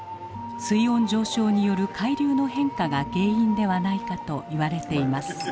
水温上昇による海流の変化が原因ではないかといわれています。